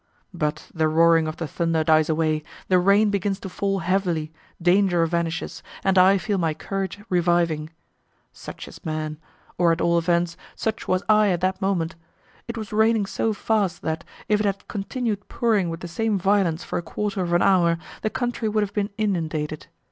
But the roaring of the thunder dies away, the rain begins to fall heavily, danger vanishes, and I feel my courage reviving. Such is man! or at all events, such was I at that moment. It was raining so fast that, if it had continued pouring with the same violence for a quarter of an hour, the country would have been inundated.